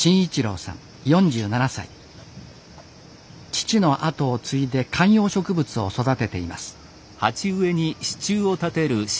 父の後を継いで観葉植物を育てています。